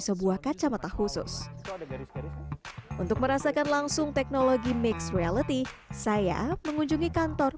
sebuah kacamata khusus untuk merasakan langsung teknologi mixed reality saya mengunjungi kantor